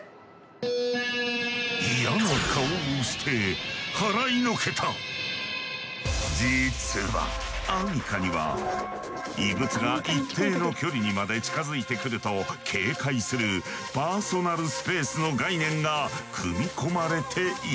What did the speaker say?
嫌な顔をして実はアミカには異物が一定の距離にまで近づいてくると警戒するパーソナルスペースの概念が組み込まれているのだ。